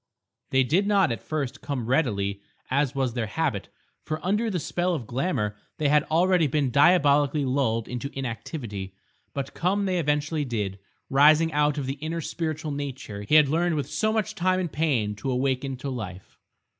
They did not at first come readily as was their habit, for under the spell of glamour they had already been diabolically lulled into inactivity, but come they eventually did, rising out of the inner spiritual nature he had learned with so much time and pain to awaken to life.